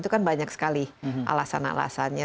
itu kan banyak sekali alasan alasannya